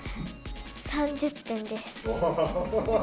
３０点です。